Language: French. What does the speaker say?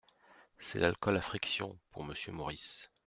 C’est l’alcool à frictions pour Monsieur Maurice.